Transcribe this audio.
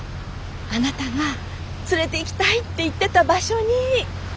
あなたが連れていきたいって言ってた場所に。